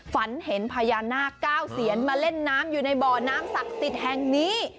ฝันเห็นพญานาคเก้าเซียนมาเล่นน้ำอยู่ในบ่อน้ำศักดิ์สิทธิ์แห่งนี้